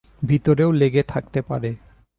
ভিতরেও লেগে থাকতে পারে।